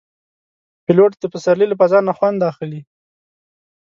پیلوټ د پسرلي له فضا نه خوند اخلي.